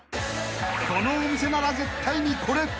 ［このお店なら絶対にこれ］